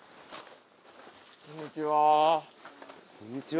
こんにちは。